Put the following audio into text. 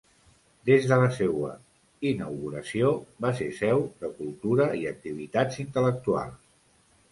Des de la seua inauguració va ser seu de cultura i activitats intel·lectuals.